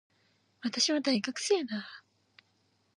私は、大学生だ。